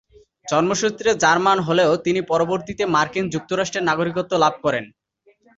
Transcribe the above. জন্মসূত্রে জার্মান হলেও তিনি পরবর্তীতে মার্কিন যুক্তরাষ্ট্রের নাগরিকত্ব লাভ করেন।